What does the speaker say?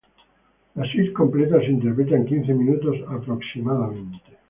La suite completa se interpreta en quince minutos aproximadamente.